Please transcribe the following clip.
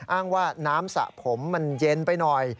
อ้างว่าน้ำสระผมมันเย็นไปหน่อย